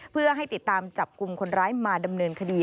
เพื่อให้ติดตามจับกลุ่มคนร้ายมาดำเนินคดี